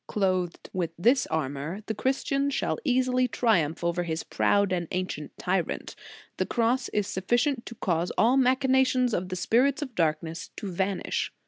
Clothed with this armor, the Christian shall easily triumph over his proud and ancient tyrant The Cross is sufficient to cause all the machinations of the spirits of darkness to vanish."